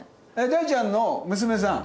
大ちゃんの娘さん？